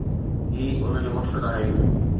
هي ان جو مقصد آهي